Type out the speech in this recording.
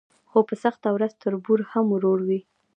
خو په سخته ورځ تربور هم ورور وي.